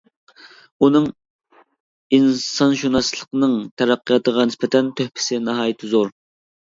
ئۇنىڭ ئىنسانشۇناسلىقنىڭ تەرەققىياتىغا نىسبەتەن تۆھپىسى ناھايىتى زور.